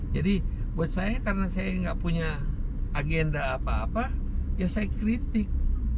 jadi buat saya karena saya tidak punya agenda apa apa ya saya kritik